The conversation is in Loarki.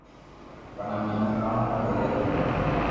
پڻ ھمي ھون ڪاوُ ڪري ھگو